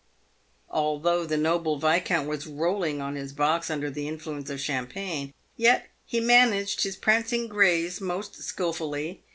Although the noble viscount was rolling on his box under the influence of champagne, yet he managed his prancing greys most skilfully.